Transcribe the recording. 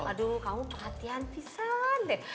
aduh kamu perhatian pisen deh